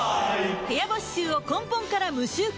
部屋干し臭を根本から無臭化